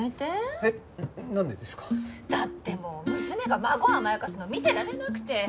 だってもう娘が孫甘やかすの見てられなくて。